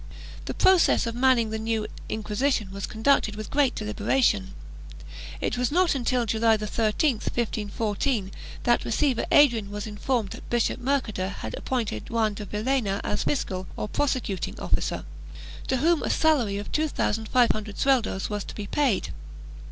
The process of manning the new Inquisition was conducted with great deliberation. It was not until July 13, 1514, that receiver Adrian was informed that Bishop Mercader had appointed Juan de Villena as fiscal, or prosecuting officer, to whom a salary of 2500 sueldos was to be paid.